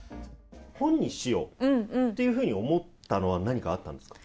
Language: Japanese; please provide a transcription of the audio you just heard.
本にしようっていうふうに思ったのは、何かあったんですか？